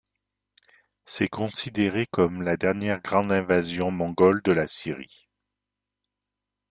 C'est considéré comme la dernière grande invasion mongole de la Syrie.